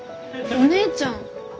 お姉ちゃん。